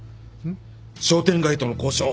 商店街との交渉